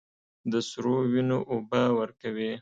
د سرو، وینو اوبه ورکوي